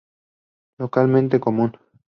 Localmente común.